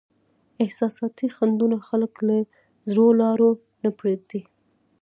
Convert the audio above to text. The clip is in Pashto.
احساساتي خنډونه خلک له زړو لارو نه پرېږدي.